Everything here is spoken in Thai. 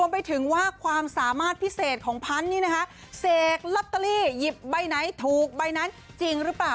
ไปฟังเจ้าแม่พันธุ์หน่อยจ้า